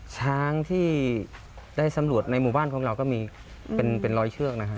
ช้างที่ได้สำรวจในหมู่บ้านของเราก็มีเป็นร้อยเชือกนะฮะ